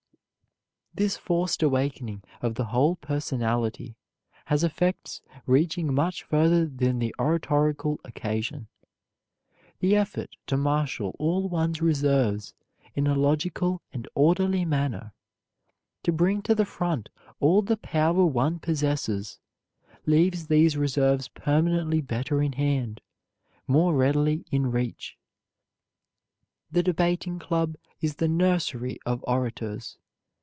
This forced awakening of the whole personality has effects reaching much further than the oratorical occasion. The effort to marshal all one's reserves in a logical and orderly manner, to bring to the front all the power one possesses, leaves these reserves permanently better in hand, more readily in reach. The Debating Club is the nursery of orators.